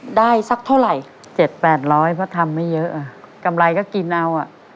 ได้สักเท่าไหร่๗๘๐๐เพราะทำไม่เยอะอ่ะกำไรก็กินเอาอ่ะ